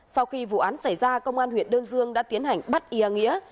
sau khi vụ án xảy ra công an huyện đơn dương đã tiến hành bắt ìa nghĩa